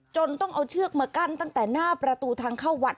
ต้องเอาเชือกมากั้นตั้งแต่หน้าประตูทางเข้าวัด